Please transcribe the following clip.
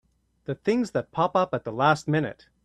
The things that pop up at the last minute!